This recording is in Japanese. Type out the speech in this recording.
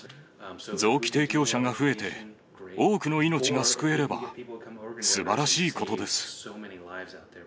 臓器提供者が増えて、多くの命が救えれば、すばらしいことです。